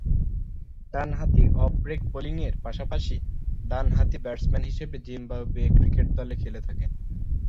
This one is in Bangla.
ডানহাতি অফ-ব্রেক বোলিংয়ের পাশাপাশি ডানহাতি ব্যাটসম্যান হিসেবে জিম্বাবুয়ে ক্রিকেট দলে খেলে থাকেন।